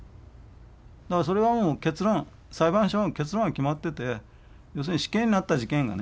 それはもう結論裁判所の結論は決まってて要するに死刑になった事件がね